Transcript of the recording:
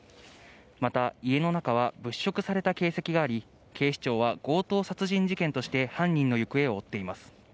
また、家の中は物色された形跡があり、警視庁は強盗殺人事件として犯人の行方を追っています。